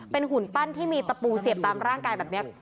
เป็นหุ่นปั้นที่มีตะปูเสียบตามร่างกายแบบนี้